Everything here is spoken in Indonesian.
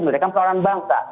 mereka persoalan bangsa